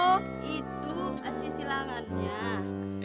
oh itu sih silangannya